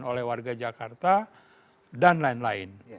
oleh warga jakarta dan lain lain